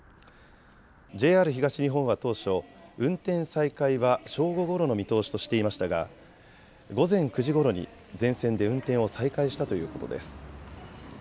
ＪＲ東日本は当初、運転再開は正午ごろの見通しとしていましたが午前９時ごろに全線で運転を再開したということです。